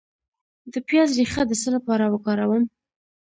د پیاز ریښه د څه لپاره وکاروم؟